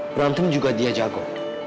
berantem juga dia jago